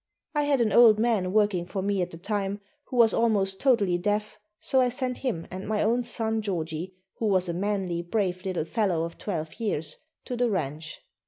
I had an old man working for me at the time who was almost totally deaf, so I sent him and my own son, Georgie, who was a manly, brave little fellow of 12 years, to the ranch.